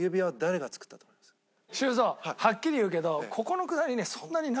修造はっきり言うけど。